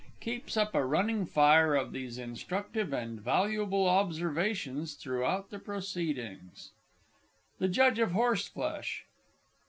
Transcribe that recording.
[Keeps up a running fire of these instructive and valuable observations throughout the proceedings. THE JUDGE OF HORSEFLESH.